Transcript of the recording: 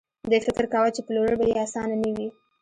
دوی فکر کاوه چې پلورل به يې اسانه نه وي.